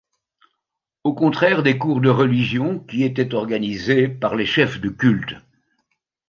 Au contraire des cours de religions qui étaient organisés par les chefs de cultes.